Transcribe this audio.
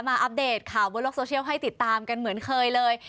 อัปเดตข่าวบนโลกโซเชียลให้ติดตามกันเหมือนเคยเลย